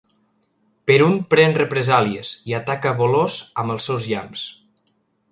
Perun pren represàlies i ataca Volos amb els seus llamps.